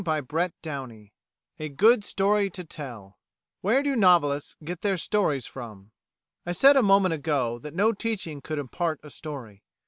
CHAPTER II A GOOD STORY TO TELL Where do Novelists get their Stories from? I said a moment ago that no teaching could impart a story.